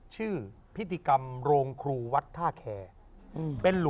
ชื่อพิธีกรรมโรงครูวัดท่าแคร์